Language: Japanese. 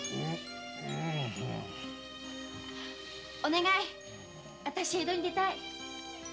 う？お願いあたし江戸に出たい。